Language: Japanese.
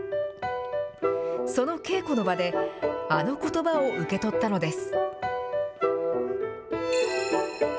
その稽古の場で、あのことばを受け取ったのです。